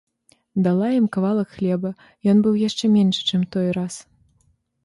Дала ім кавалак хлеба, ён быў яшчэ меншы, чым той раз